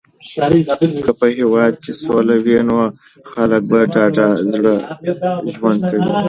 که په هېواد کې سوله وي نو خلک په ډاډه زړه ژوند کوي.